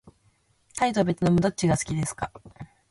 タイとべトナムどっちが好きですか。